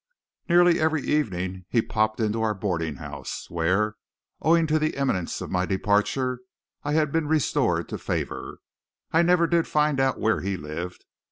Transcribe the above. Nearly every evening he popped into our boarding house, where, owing to the imminence of my departure, I had been restored to favour. I never did find out where he lived.